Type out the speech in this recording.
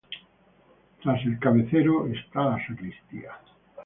Tras el cabecero está la sacristía.